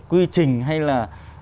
quy trình hay là